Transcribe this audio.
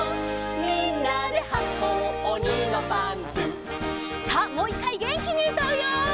「みんなではこうおにのパンツ」さあもう１かいげんきにうたうよ！